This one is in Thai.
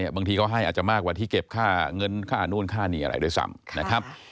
บางทีเขาให้อาจจะมากกว่าที่เก็บค่าเงินค่านู่นค่านี่อะไรด้วยซ้ำนะครับ